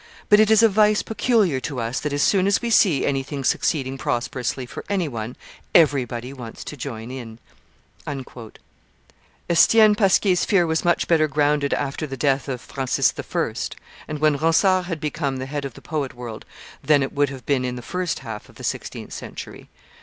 But it is a vice peculiar to us that as soon as we see anything succeeding prosperously for any one, everybody wants to join in." Estienne Pasquier's fear was much better grounded after the death of Francis I., and when Ronsard had become the head of the poet world, than it would have been in the first half of the sixteenth century.